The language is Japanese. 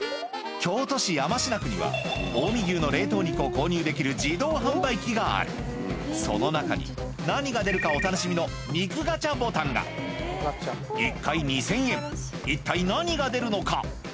京都市山科区には近江牛の冷凍肉を購入できる自動販売機があるその中に何が出るかお楽しみの肉ガチャボタンが１回２０００円一体何が出るのか？